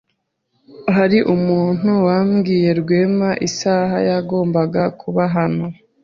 Hari umuntu wabwiye Rwema isaha yagombaga kuba hano?